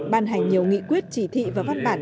ban hành nhiều nghị quyết chỉ thị và văn bản